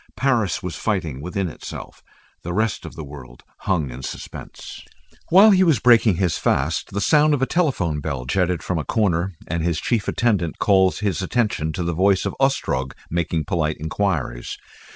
Paris was fighting within itself. The rest of the world hung in suspense. While he was breaking his fast, the sound of a telephone bell jetted from a corner, and his chief attendant called his attention to the voice of Ostrog making polite enquiries.